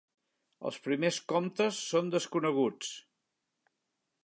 Els primers comtes són desconeguts.